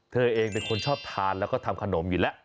เธอเองเป็นคนชอบทานแล้วก็ทำขนมอยู่แล้ว